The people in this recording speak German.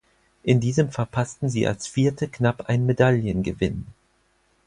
In diesem verpassten sie als Vierte knapp einen Medaillengewinn.